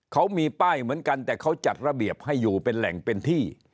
เขามีป้ายเหมือนกันแต่เขาจัดระเบียบให้อยู่เป็นแหล่งเป็นที่